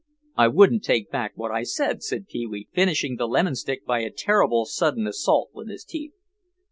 "I wouldn't take back what I said," said Pee wee, finishing the lemon stick by a terrible sudden assault with his teeth.